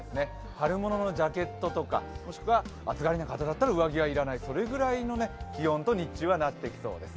春物のジャケットとか、もしくは暑がりの方だったら上着は要らない、それぐらいの気温と日中はなってきそうです。